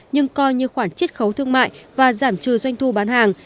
nhưng coi như khoản chiết khấu thương mại và giảm trừ doanh thu bán hàng